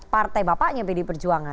partai bapaknya bd perjuangan